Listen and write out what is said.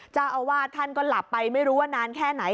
เจ้าอาวาสท่านก็หลับไปไม่รู้ว่านานแค่ไหน